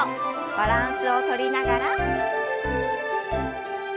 バランスをとりながら。